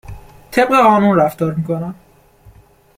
طبق قانون رفتار می کنم